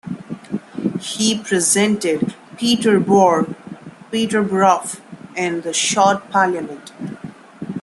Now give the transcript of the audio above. He represented Peterborough in the Short Parliament.